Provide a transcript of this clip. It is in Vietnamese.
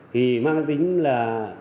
thì mang tính là